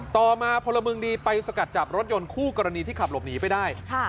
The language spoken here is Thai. ต่อมาพลเมืองดีไปสกัดจับรถยนต์คู่กรณีที่ขับหลบหนีไปได้